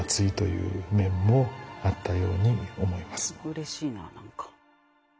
うれしいななんか。